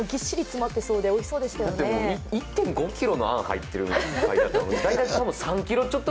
だって１．５ｋｇのあんこが入ってるって。